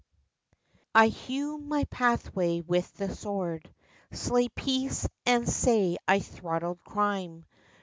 I hew my pathway with the Sword ! Slay Peace and say I throttled Crime